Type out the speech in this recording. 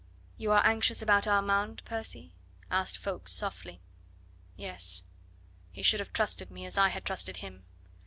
"You are anxious about Armand, Percy?" asked Ffoulkes softly. "Yes. He should have trusted me, as I had trusted him.